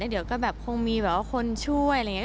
เดี๋ยวก็แบบคงมีแบบว่าคนช่วยอะไรอย่างนี้